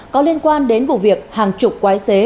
có liên quan đến vụ việc hàng chục quái xế